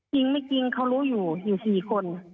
จริงไม่จริงเขารู้อยู่อยู่๔คน